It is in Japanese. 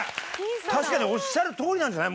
確かにおっしゃるとおりなんじゃない？